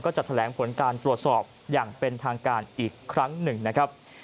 จะแถลงผลการตรวจสอบอย่างเป็นทางการอีกครั้งหนึ่งนะครับ